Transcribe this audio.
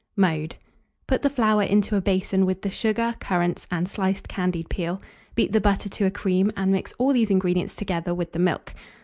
Mode. Put the flour into a basin with the sugar, currants, and sliced candied peel; beat the butter to a cream, and mix all these ingredients together with the milk.